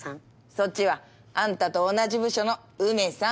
そっちはあんたと同じ部署のウメさん。